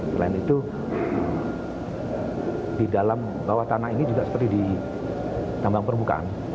selain itu di dalam bawah tanah ini juga seperti di tambang permukaan